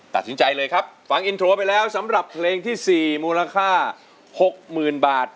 ตัดสินใจเลยครับฟังอินโทรไปแล้วสำหรับเพลงที่๔มูลค่า๖๐๐๐บาท